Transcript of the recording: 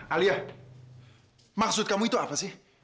alia maksud kamu itu apa sih